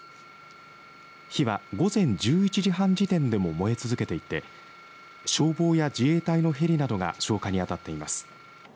火は午前１１時半時点でも燃え続けていて消防や自衛隊のヘリなどが消火に当たっています。